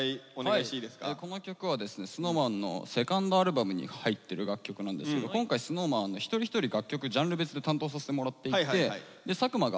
この曲はですねＳｎｏｗＭａｎのセカンドアルバムに入ってる楽曲なんですけど今回ＳｎｏｗＭａｎ一人一人楽曲ジャンル別で担当させてもらっていて佐久間が担当してくれた楽曲です。